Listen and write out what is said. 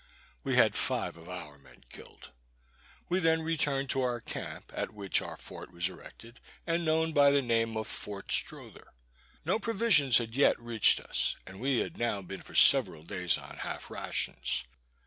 We had five of our men killed. We then returned to our camp, at which our fort was erected, and known by the name of Fort Strother. No provisions had yet reached us, and we had now been for several days on half rations.